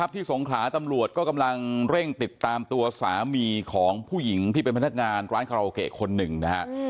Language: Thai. สงขลาตำรวจก็กำลังเร่งติดตามตัวสามีของผู้หญิงที่เป็นพนักงานร้านคาราโอเกะคนหนึ่งนะฮะ